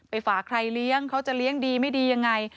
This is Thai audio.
ฝากใครเลี้ยงเขาจะเลี้ยงดีไม่ดียังไง